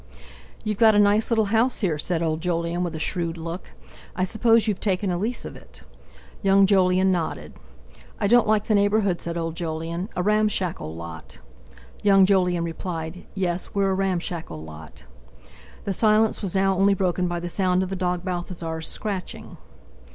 "You've got a nice little house here," said old Jolyon with a shrewd look; "I suppose you've taken a lease of it!" Young Jolyon nodded. "I don't like the neighbourhood," said old Jolyon; "a ramshackle lot." Young Jolyon replied: "Yes, we're a ramshackle lot." The silence was now only broken by the sound of the dog Balthasar's scratching.